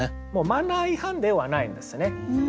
マナー違反ではないんですね。